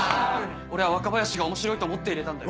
俺は若林が面白いと思って入れたんだよ。